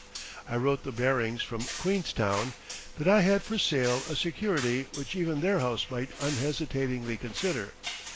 I wrote the Barings from Queenstown that I had for sale a security which even their house might unhesitatingly consider.